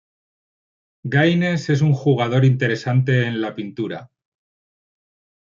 Gaines es un jugador interesante en la pintura.